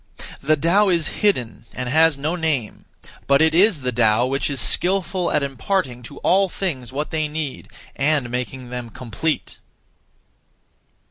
The Tao is hidden, and has no name; but it is the Tao which is skilful at imparting (to all things what they need) and making them complete.